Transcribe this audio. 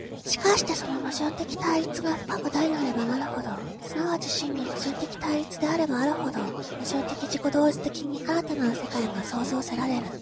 しかしてその矛盾的対立が深く大なればなるほど、即ち真に矛盾的対立であればあるほど、矛盾的自己同一的に新たなる世界が創造せられる。